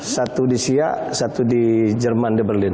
satu di siak satu di jerman di berlin